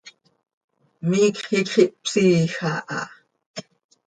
Miicx iicx ihpsiij aha.